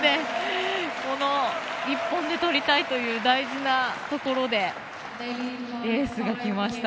この１本で取りたいという大事なところでエースがきました。